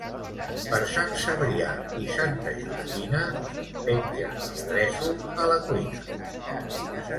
Per Sant Cebrià i Santa Justina, penja el gresol a la cuina.